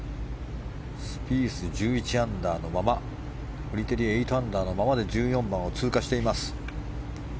スピース、１１アンダーのままフリテリは８アンダーのまま１４番を通過しています。